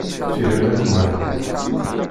Fiḥel ad nennaɣ!